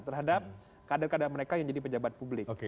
terhadap kader kader mereka yang jadi pejabat publik